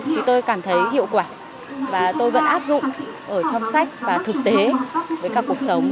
thì tôi cảm thấy hiệu quả và tôi vẫn áp dụng ở trong sách và thực tế với cả cuộc sống